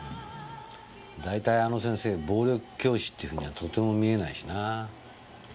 大体あの先生暴力教師ってふうにはとても見えないしなぁ。